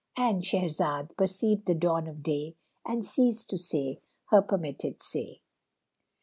—And Shahrazad perceived the dawn of day and ceased to say her permitted say.